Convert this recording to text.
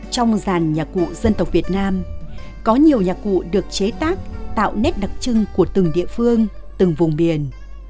trong dàn nhạc cụ dân tộc việt nam có nhiều nhạc cụ được chế tác tạo nét đặc trưng của từng địa phương từng vùng miền